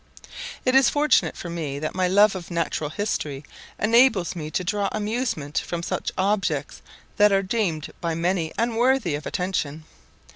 It is fortunate for me that my love of natural history enables me to draw amusement from objects that are deemed by many unworthy of attention.